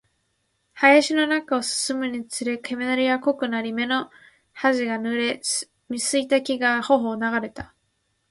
林の中を進むにつれて、煙は濃くなり、目の端が濡れ、水滴が頬を流れた